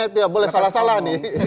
tidak boleh salah salah nih